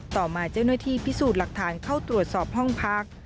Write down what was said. ต่อมาเจ้าหน้าที่พิสูจน์หลักฐานเข้าตรวจสอบห้องพัก